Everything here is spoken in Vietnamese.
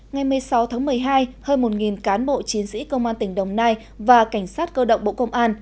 ngày một mươi sáu tháng một mươi hai hơn một cán bộ chiến sĩ công an tỉnh đồng nai và cảnh sát cơ động bộ công an